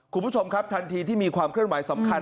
คุณผู้ชมครับทันทีที่มีความเคลื่อนไหวสำคัญ